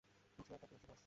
কিছু একটা পেয়েছি বস।